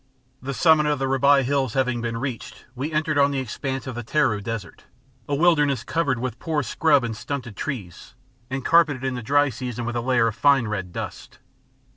The summit of the Rabai Hills having been reached, we entered on the expanse of the Taru Desert, a wilderness covered with poor scrub and stunted trees, and carpeted in the dry season with a layer of fine red dust.